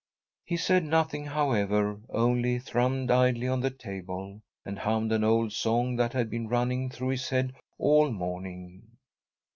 He said nothing, however, only thrummed idly on the table, and hummed an old song that had been running through his head all morning.